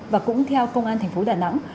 và cũng theo công an thành phố đà nẵng